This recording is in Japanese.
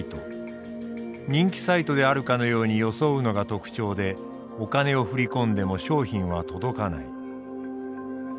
人気サイトであるかのように装うのが特徴でお金を振り込んでも商品は届かない。